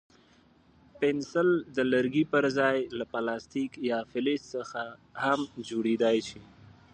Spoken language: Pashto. پنسل د لرګي پر ځای له پلاستیک یا فلز څخه هم جوړېدای شي.